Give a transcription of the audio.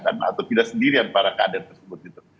atau tidak sendirian para kader tersebut